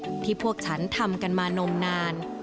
อีกอย่างหนึ่งที่พวกฉันทำกันมานมนาน